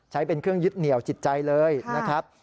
ใช้เป็นเครื่องยึดเหนียวจิตใจเลยนะครับ